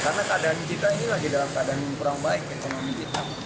karena keadaan kita ini lagi dalam keadaan yang kurang baik dengan kita